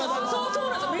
そうなんですよ